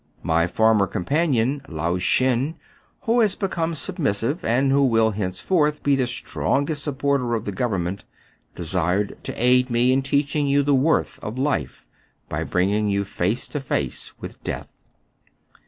My former companion, Lao Shen, who has become submissive, and who will hence forth be the strongest support of the government, desired to aid me in teaching you the worth of life by bringing you face to face with death.